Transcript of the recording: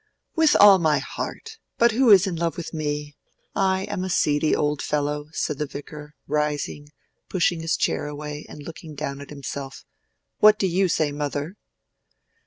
"With all my heart. But who is in love with me? I am a seedy old fellow," said the Vicar, rising, pushing his chair away and looking down at himself. "What do you say, mother?"